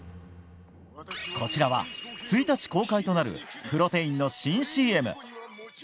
こちらは１日公開となるプロテインの新ＣＭ。